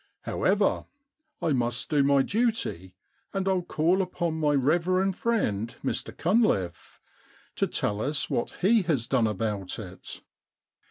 * However, I must do my duty, and Til call on my reverend friend, Mr CunlifFe, to tell us what he has done about it.